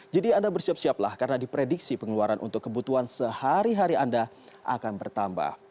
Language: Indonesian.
jadi anda bersiap siap lah karena diprediksi pengeluaran untuk kebutuhan sehari hari anda akan bertambah